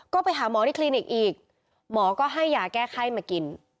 ก็ไปหาหมอที่คลินิกอีกหมอก็ให้ยาแก้ไข้มากิน